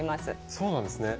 そうなんですね。